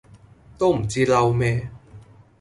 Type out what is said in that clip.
都唔知嬲咩